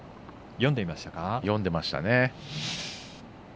読んでいましたね。